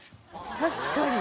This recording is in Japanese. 確かに！